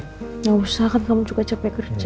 tidak usah kan kamu juga capek kerja